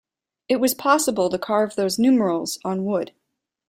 It was possible to carve those numerals on wood.